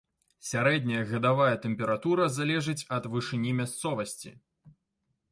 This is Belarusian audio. Сярэдняя гадавая тэмпература залежыць ад вышыні мясцовасці.